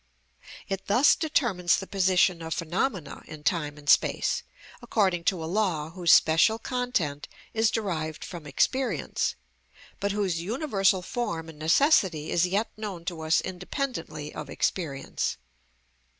It thus determines the position of phenomena in time and space, according to a law whose special content is derived from experience, but whose universal form and necessity is yet known to us independently of experience.